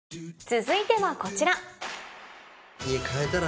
続いてはこちら。